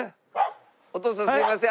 お父さんすいません。